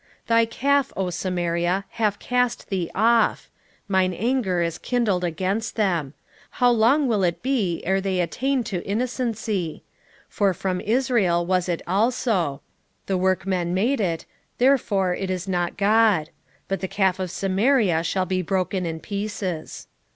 8:5 Thy calf, O Samaria, hath cast thee off; mine anger is kindled against them: how long will it be ere they attain to innocency? 8:6 For from Israel was it also: the workman made it; therefore it is not God: but the calf of Samaria shall be broken in pieces.